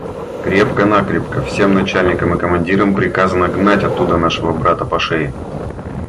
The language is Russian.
– Крепко-накрепко всем начальникам и командирам приказано гнать оттуда нашего брата по шее.